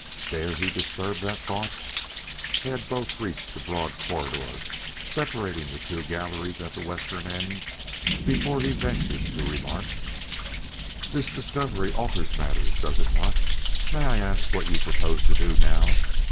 Dare he disturb that thought? They had both reached the broad corridor separating the two galleries at the western end before he ventured to remark: "This discovery alters matters, does it not? May I ask what you propose to do now?